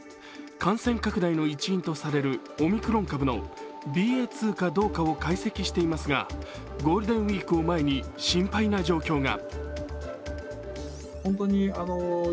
感染拡大の一因とされるＢＡ．２かどうかを解析していますがゴールデンウイークを前に心配な状況が。